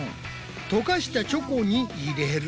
溶かしたチョコに入れる。